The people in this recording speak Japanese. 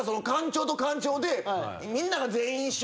みんなが全員一瞬。